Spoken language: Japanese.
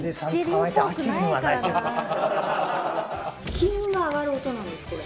金運が上がる音なんですこれ。